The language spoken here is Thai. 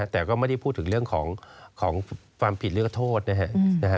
แต่ก็ไม่ได้พูดถึงเรื่องของความผิดเรื่องโทษนะฮะ